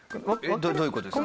どういう事ですか？